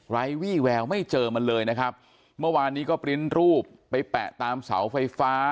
วี่แววไม่เจอมันเลยนะครับเมื่อวานนี้ก็ปริ้นต์รูปไปแปะตามเสาไฟฟ้า